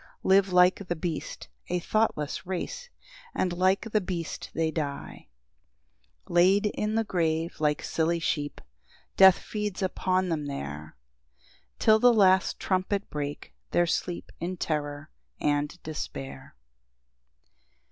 Live like the beast, a thoughtless race, And like the beast they die. 10 Laid in the grave like silly sheep, Death feeds upon them there, Till the last trumpet break their sleep In terror and despair.